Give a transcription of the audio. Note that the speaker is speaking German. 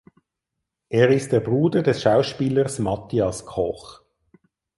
Er ist der Bruder des Schauspielers Matthias Koch.